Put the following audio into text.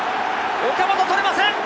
岡本捕れません！